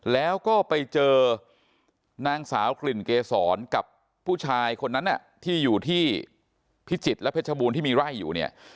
แล้วก็ไปเจอนางสาวกลิ่นเกษรกับผู้ชายคนนั้นที่อยู่ที่พิจิตรและเพชรบูรณที่มีไร่อยู่เนี่ย